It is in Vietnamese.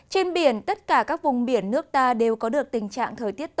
trên biển tất cả các vùng biển nước ta đều có được tình trạng thời tiết tốt